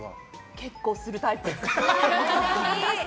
結構するタイプです。